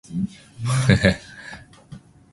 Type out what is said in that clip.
我要去東京轉機